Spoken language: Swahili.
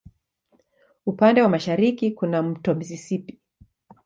Upande wa mashariki kuna wa Mto Mississippi.